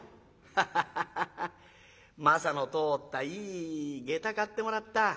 「ハハハハハ征の通ったいい下駄買ってもらった。